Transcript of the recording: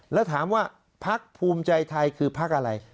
แล้วถามว่าพักภูมิใจไทยคือพักอะไร